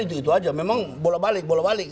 itu aja memang bola balik